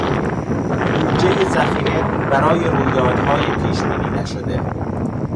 بودجهی ذخیره برای رویدادهای پیشبینی نشده